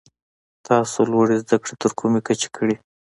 تاسو لوړي زده کړي تر کومه کچه کړي ؟